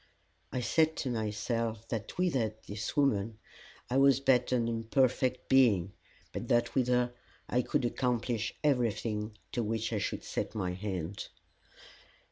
I said to myself that without this woman I was but an imperfect being, but that with her I could accomplish everything to which I should set my hand.